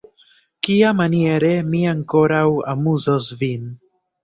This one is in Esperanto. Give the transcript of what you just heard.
Kiamaniere mi ankoraŭ amuzos vin?